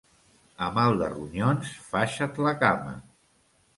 A mal de ronyons, faixa't la cama.